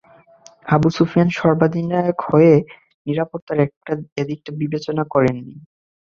Abu Sufyan সর্বাধিনায়ক হয়ে নিরাপত্তার এদিকটা বিবেচনা করেনি।